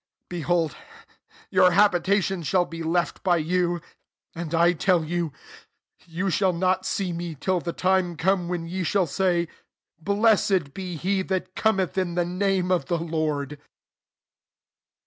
35 Behold, your habita tion shall be left by you.* And I tell you. Ye shall not see me, till the time come when ye shall say, • Blessed be he that Cometh in the name of the Lord.'